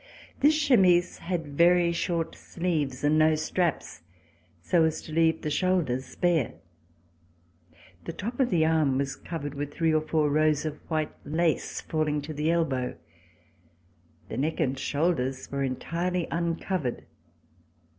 This chemise had very short sleeves and no straps, so as to leave the shoulders bare. The top of the arm was covered with three or four rows of white lace falling to the elbow. The neck and shoulders were entirely un covered.